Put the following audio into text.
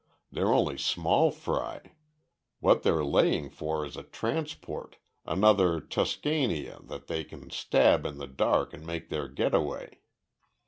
They're only small fry. What they're laying for is a transport, another Tuscania that they can stab in the dark and make their getaway.